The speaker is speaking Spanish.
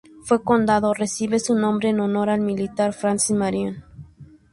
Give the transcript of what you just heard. El condado recibe su nombre en honor al militar Francis Marion.